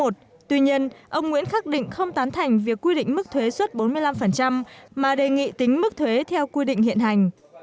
tuy nhiên ông nguyễn khắc định không tán thành việc quy định mức thuế suốt bốn mươi năm mà đề nghị tính mức thuế theo quy định hiện hành